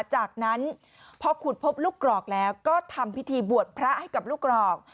จากนั้นพอขุดพบลูกกรอกแล้วก็ทำพิธีบวชพระให้กับลูกกรอก